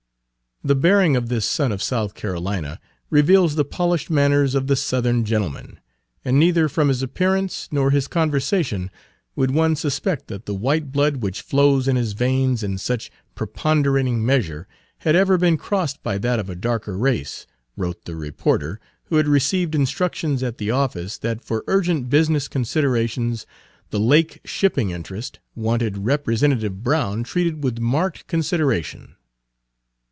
"The bearing of this son of South Carolina reveals the polished manners of the Southern gentleman, and neither from his appearance nor his conversation would one suspect that the white blood which flows in his veins in such preponderating measure had ever been crossed by that of a darker race," wrote the reporter, who had received instructions at Page 126 the office that for urgent business considerations the lake shipping interest wanted Representative Brown treated with marked consideration.